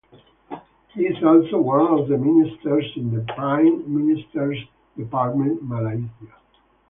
He is also one of the Ministers in the Prime Minister's Department, Malaysia.